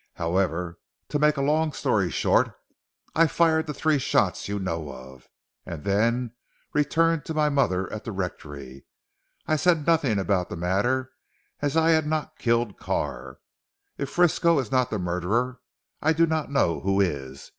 However to make a long story short I fired the three shots you know of, and then returned to my mother at the rectory. I said nothing about the matter, as I had not killed Carr. If Frisco is not the murderer I do not know who is.